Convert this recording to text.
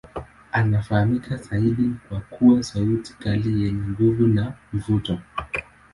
Anafahamika zaidi kwa kuwa sauti kali yenye nguvu na mvuto.